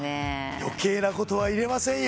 余計なことは入れませんよ。